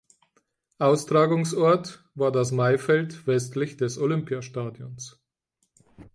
Austragungsort war das Maifeld westlich des Olympiastadions.